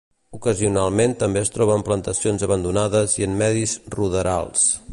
Ocasionalment també es troba en plantacions abandonades i en medis ruderals.